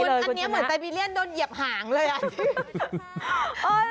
อันนี้เหมือนไซบีเรียนโดนเหยียบหางเลยอ่ะ